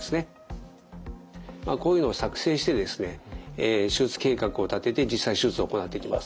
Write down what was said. こういうのを作成してですね手術計画を立てて実際手術を行っていきます。